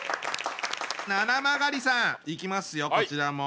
ななまがりさんいきますよこちらも。